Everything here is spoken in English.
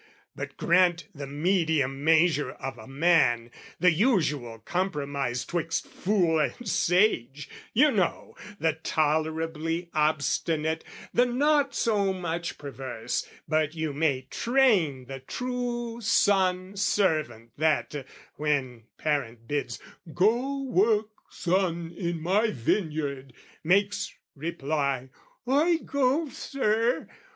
But grant the medium measure of a man, The usual compromise 'twixt fool and sage, You know the tolerably obstinate, The not so much perverse but you may train, The true son servant that, when parent bids "Go work, son, in my vineyard!" makes reply "I go, Sir!"